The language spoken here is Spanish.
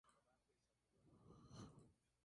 Su nombre completo es General Glenn M. Talbot.